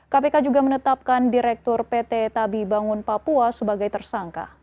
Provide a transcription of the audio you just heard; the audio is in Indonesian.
kpk juga menetapkan direktur pt tabi bangun papua sebagai tersangka